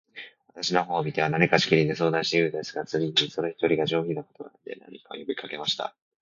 私の方を見ては、何かしきりに相談しているようでしたが、ついに、その一人が、上品な言葉で、何か呼びかけました。